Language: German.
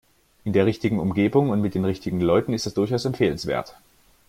In der richtigen Umgebung und mit den richtigen Leuten ist das durchaus empfehlenswert.